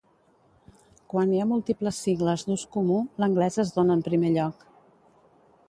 Quan hi ha múltiples sigles d'ús comú, l'anglès es dóna en primer lloc.